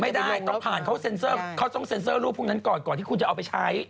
ไม่ได้ก็ผ่านเขาต้องเซ็นเซอร์รูปพวกนั้นก่อนก่อนที่คุณจะเอาไปใช้